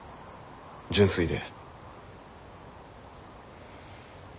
純粋で。